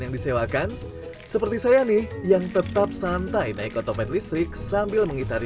yang disewakan seperti saya nih yang tetap santai naik otopet listrik sambil mengitari